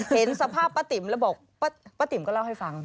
เห็นสภาพป้าติ๋มแล้วบอกป้าติ๋มก็เล่าให้ฟัง